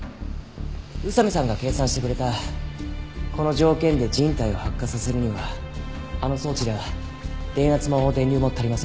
宇佐見さんが計算してくれたこの条件で人体を発火させるにはあの装置では電圧も電流も足りません。